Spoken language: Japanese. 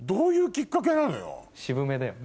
渋めだよね。